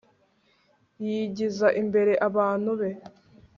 yigiza imbere abantu be